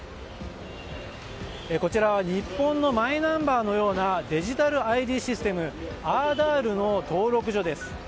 こちらは日本のマイナンバーのようなデジタルＩＤシステムアーダールの登録所です。